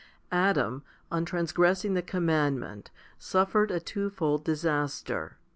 1. ADAM, on transgressing the commandment, suffered a twofold disaster.